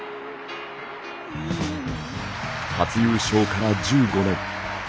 初優勝から１５年。